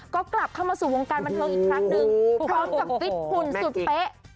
ก็กลับเข้ามาสู่วงการบันเทิงอีกครั้งหนึ่งพร้อมกับฟิตหุ่นสุดเป๊ะ